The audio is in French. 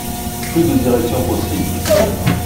Plus de direction possible.